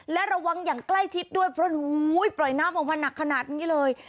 และระวังอย่างใกล้ชิดด้วยเพราะปล่อยน้ำออกมาหนักขนาดนี้เลย